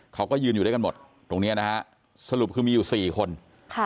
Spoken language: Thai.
เขาก็ยืนอยู่ด้วยกันหมดตรงเนี้ยนะฮะสรุปคือมีอยู่สี่คนค่ะ